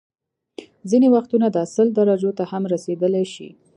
ځینې وختونه دا سل درجو ته هم رسيدلی شي